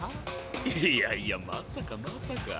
いやいやまさかまさか。